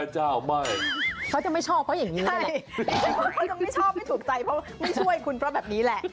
ใช่เขาจะไม่ชอบไม่ถูกใจเขาไม่ช่วยคุณเพราะแบบนี้แหละ